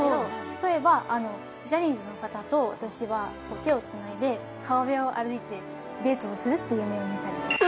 例えばジャニーズの方と私は手をつないで川辺を歩いてデートをするっていう夢を見たりとか。